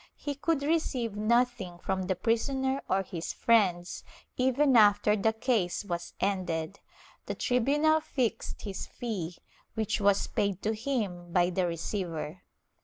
He could receive nothing from the prisoner or his friends, even after the case was ended; the tribunal fixed his fee, which was paid to him by the receiver.